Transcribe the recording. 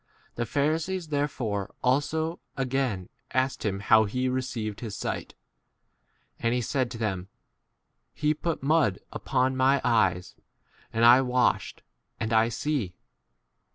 15 The Pharisees therefore also again asked him how he received his sight. And he said to them, He put mud upon my eyes, and I 16 washed, and I see.